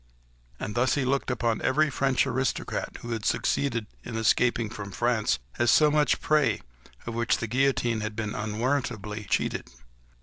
And thus he looked upon every French aristocrat, who had succeeded in escaping from France, as so much prey of which the guillotine had been unwarrantably cheated.